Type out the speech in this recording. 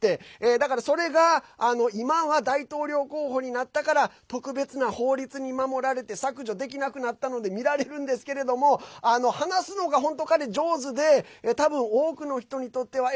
だから、それが今は大統領候補になったから特別な法律に守られて削除できなくなったので見られるんですけれども話すのが、彼上手で多分、多くの人にとってはえ？